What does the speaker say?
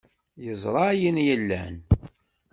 Yeẓra ayen yellan.